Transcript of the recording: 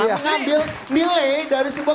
mengambil nilai dari sebuah